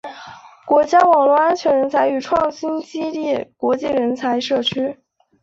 国家网络安全人才与创新基地国际人才社区